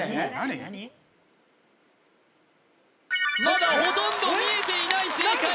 まだほとんど見えていない正解！